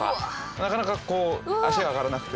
なかなかこう足上がらなくて。